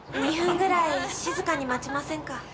２分ぐらい静かに待ちませんか？